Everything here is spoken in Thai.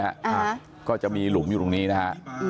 อ่าก็จะมีหลุมอยู่ตรงนี้นะฮะอืม